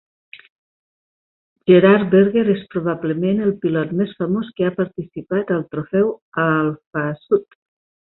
Gerhard Berger és probablement el pilot més famós que ha participat al Trofeu Alfasud.